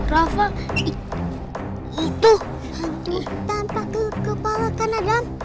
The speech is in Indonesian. rafa itu hantu tanpa kepala kan adam